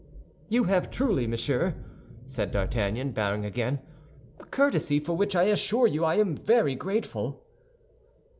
"You have truly, monsieur," said D'Artagnan, bowing again, "a courtesy, for which, I assure you, I am very grateful."